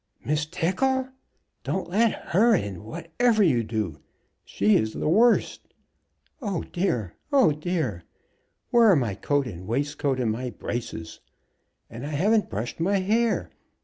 "Miss Tickle! Don't let her in, whatever you do. She is the worst. Oh dear! oh dear! Where are my coat and waistcoat, and my braces? And I haven't brushed my hair.